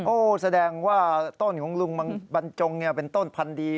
แสดงว่าต้นของลุงบรรจงเป็นต้นพันธุ์ดี